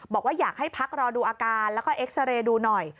บอกว่าอยากให้พักรอดูอาการแล้วก็เอ็กซาเรย์ดูหน่อย